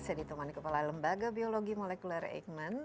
saya ditemani kepala lembaga biologi molekuler eijkman